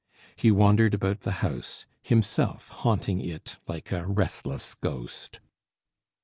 He wandered about the house, himself haunting it like a restless ghost.